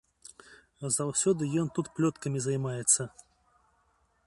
Заўсёды ён тут плёткамі займаецца.